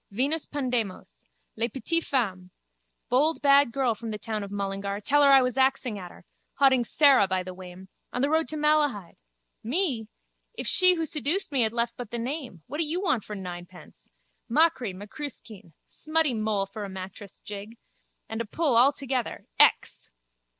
Venus Pandemos. Les petites femmes. Bold bad girl from the town of Mullingar. Tell her I was axing at her. Hauding Sara by the wame. On the road to Malahide. Me? If she who seduced me had left but the name. What do you want for ninepence? Machree, macruiskeen. Smutty Moll for a mattress jig. And a pull all together. _Ex!